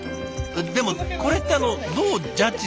でもこれってあのどうジャッジするの？